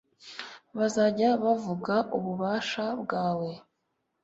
Bazajya bavuga ububasha bwawe